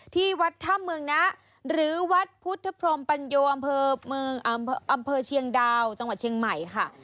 ที่วัดถ้ำเมืองนะหรือวัดพุทธพรมปัญโยอำเภอเชียงดาวจังหวัดเชียงใหม่ค่ะ